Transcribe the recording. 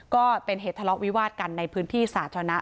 ก็เป็นเหตุทะเลาะวิวาดกันในพื้นที่สาธารณะ